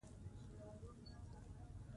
تحریف په لغت کي تغیرولو ته ویل کیږي.